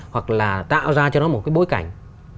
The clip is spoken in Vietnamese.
hoặc là tạo ra cho nó một cái bối cảnh